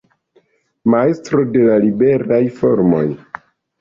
Majstro de la liberaj formoj.